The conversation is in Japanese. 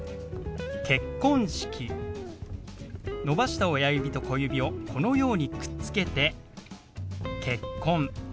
伸ばした親指と小指をこのようにくっつけて「結婚」。